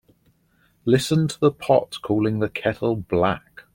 Listen to the pot calling the kettle black.